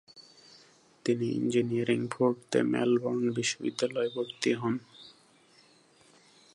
তিনি ইঞ্জিনিয়ারিং পড়তে মেলবোর্ন বিশ্ববিদ্যালয়ে ভর্তি হন।